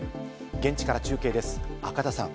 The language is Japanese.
現地から中継です、赤田さん。